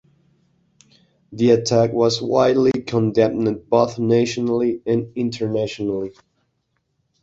The attack was widely condemned both nationally and internationally.